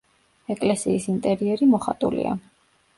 ეკლესიის ინტერიერი მოხატულია.